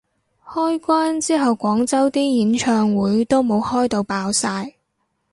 開關之後廣州啲演唱會有冇開到爆晒